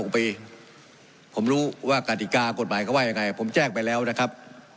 ผมรู้ว่ากฎิกากฎหมายเขาว่ายังไงผมแจ้งไปแล้วนะครับ